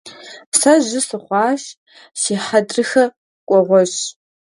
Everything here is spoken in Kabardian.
Сэ жьы сыхъуащ, си хьэдрыхэ кӀуэгъуэщ.